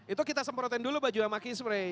itu kita semprotin dulu baju sama key spray